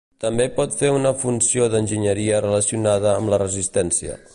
També pot fer una funció d"enginyeria relacionada amb la resistència.